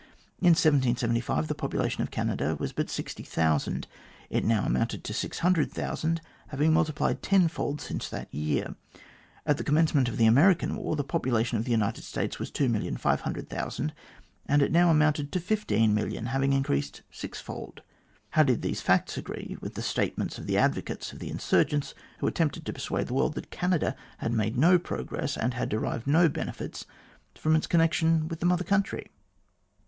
In 1775 the population of Canada was but 60,000. It now amounted to 600,000, having been multiplied tenfold since that year. At the commencement of the American war, the population of the United States was 2,500,000, and it now amounted to 15,000,000, having increased sixfold. How did these facts agree with the statements of the advocates of the insurgents, who attempted to persuade the world that Canada had made no progress, and had derived no benefits from its connection with the Mother Country